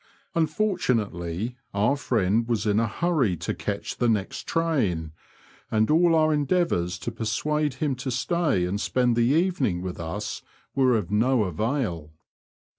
Unfortunately, our friend was in a hurry to catch the next train, and all our endeavours to persuade him to stay and spend the evening with us were of no avail.